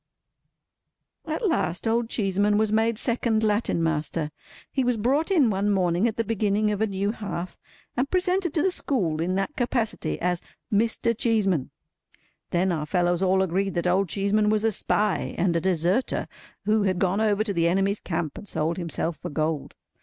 At last, Old Cheeseman was made second Latin Master. He was brought in one morning at the beginning of a new half, and presented to the school in that capacity as "Mr. Cheeseman." Then our fellows all agreed that Old Cheeseman was a spy, and a deserter, who had gone over to the enemy's camp, and sold himself for gold.